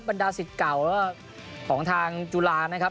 บรรดาสิทธิ์เก่าแล้วก็ของทางจุฬานะครับ